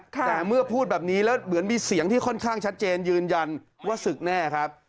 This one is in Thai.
แต่เมื่อพูดแบบนี้แล้วเหมือนมีเสียงที่ค่อนข้างชัดเจนยืนยันว่าศึกแน่ครับ